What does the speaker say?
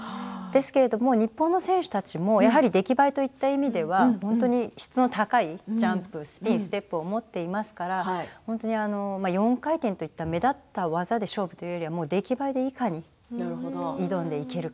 ですけれども日本の選手たちもやはり出来栄えといった意味では本当に質の高いジャンプスピン、ステップを持っていますから４回転といった目立った技で勝負というより出来栄えでいかに挑んでいけるか。